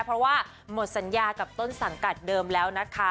เพราะว่าหมดสัญญากับต้นสังกัดเดิมแล้วนะคะ